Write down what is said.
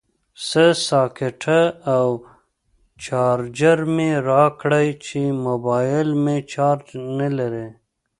سه ساکټه او چارجر مې راکړئ چې موبایل مې چارج نلري